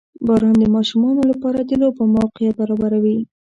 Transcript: • باران د ماشومانو لپاره د لوبو موقع برابروي.